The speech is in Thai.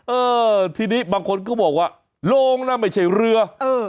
เออทีนี้บางคนก็บอกว่าโรงน่ะไม่ใช่เรือเออ